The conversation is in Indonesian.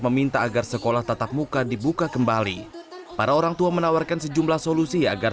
meminta agar sekolah tatap muka dibuka kembali para orang tua menawarkan sejumlah solusi agar